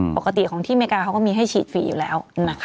ปกติของที่อเมริกาเขาก็มีให้ฉีดฟรีอยู่แล้ว